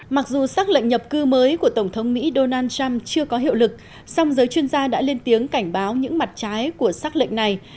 mặc dù xác lệnh nhập cư mới của tổng thống mỹ donald trump chưa có hiệu lực song giới chuyên gia đã lên tiếng cảnh báo những mặt trái của xác lệnh này